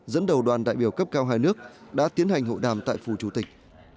dẫn đầu đoàn đại biểu cấp cao hai nước đã tiến hành hội đàm tại phù chủ tịch